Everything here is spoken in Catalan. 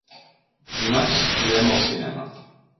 Dimarts irem al cinema.